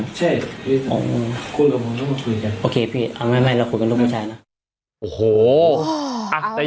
อันนี้คือ